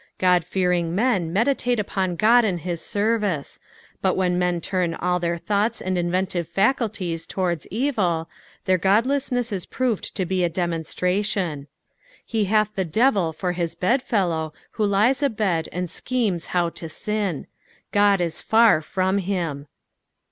God fearing men meditate upon Qod and his service ; but when men turn all their thoughts and inventive faculties towards evil, their godlessness is proved to a demonstration. He hath the devil for his bed fellow who lies abed and schemes how to sin. Ood is far from him.